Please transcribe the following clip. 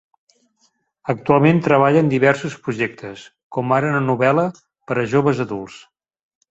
Actualment treballa en diversos projectes, com ara una novel·la per a joves adults.